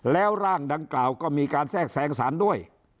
แล้วร่างดังกล่าวก็มีการแทรกแทรงสารด้วย